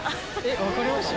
分かりました？